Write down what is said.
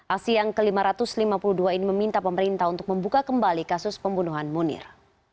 aksi yang ke lima ratus lima puluh dua ini meminta pemerintah untuk membuka kembali kasus pembunuhan munir